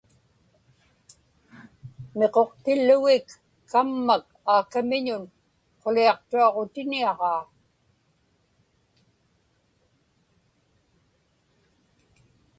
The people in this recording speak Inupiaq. Miquqtillugik kammak aakamiñun quliaqtuaġutiniaġaa.